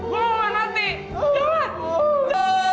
gua mau mati jangan